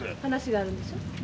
話があるんでしょ。